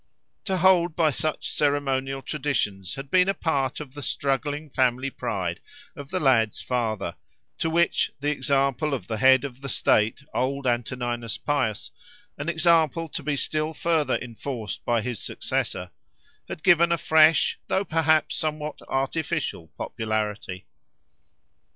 To hold by such ceremonial traditions had been a part of the struggling family pride of the lad's father, to which the example of the head of the state, old Antoninus Pius—an example to be still further enforced by his successor—had given a fresh though perhaps somewhat artificial popularity.